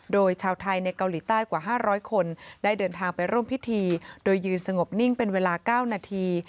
โดยชาวไทยในเกาหลีใต้กว่า๕๐๐คนได้เดินทางไปร่วมพิธีโดยยืนสงบนิ่งเป็นเวลา๙นาที